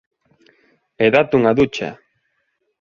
E dáte unha ducha.